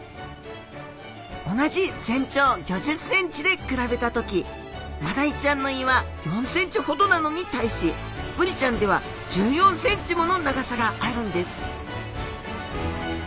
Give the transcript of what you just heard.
同じ全長５０センチで比べた時マダイちゃんの胃は４センチほどなのに対しブリちゃんでは１４センチもの長さがあるんです